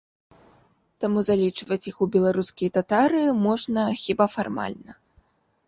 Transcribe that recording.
Таму залічваць іх у беларускія татары можна хіба фармальна.